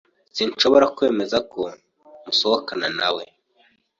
Sinshobora kwemeza ko musohokana nawe.